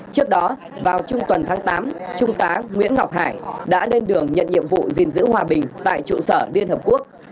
trước đó vào trung tuần tháng tám trung tá nguyễn ngọc hải đã lên đường nhận nhiệm vụ gìn giữ hòa bình tại trụ sở liên hợp quốc